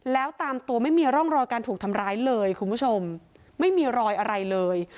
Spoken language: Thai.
แล้วตามตัวไม่มีร่องรอยการถูกทำร้ายเลยคุณผู้ชมไม่มีรอยอะไรเลย